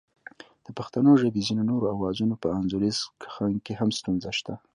د پښتو ژبې ځینو نورو آوازونو په انځوریز کښنګ کې هم ستونزه شته